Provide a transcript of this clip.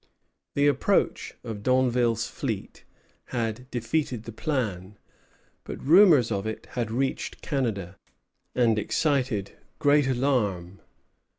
The approach of D'Anville's fleet had defeated the plan; but rumors of it had reached Canada, and excited great alarm.